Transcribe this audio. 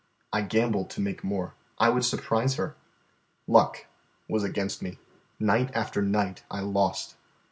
I gambled to make more. I would surprise her. Luck was against me. Night after night I lost.